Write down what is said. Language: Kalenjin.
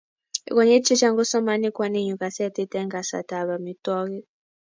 konyil chechang kosomani kwaninyu gazetit eng' kasarta ab amitwogik